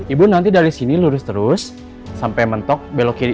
ibu nanti dari sini lurus terus sampai mentok belok kiri